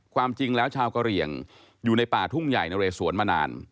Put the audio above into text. ความจริงแล้วชาวกะเหลี่ยงอยู่ในป่าทุ่งใหญ่นะเรสวนมานาน